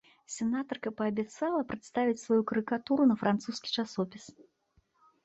Сенатарка паабяцала прадставіць сваю карыкатуру на французскі часопіс.